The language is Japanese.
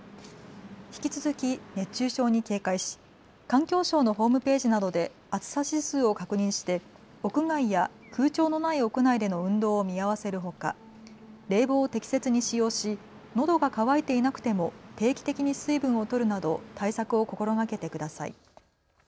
引き続き熱中症に警戒し環境省のホームページなどで暑さ指数を確認して屋外や空調のない屋内での運動を見合わせるほか冷房を適切に使用しのどが渇いていなくても定期的に水分をとるなど対策を心がけてください。